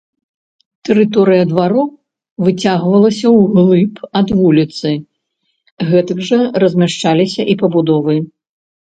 Тэрыторыя двароў выцягвалася ўглыб ад вуліцы, гэтак жа размяшчаліся і пабудовы.